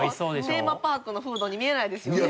テーマパークのフードに見えないですよね。